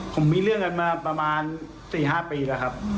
ผมมีเรื่องกันมาประมาณ๔๕ปีแล้วครับ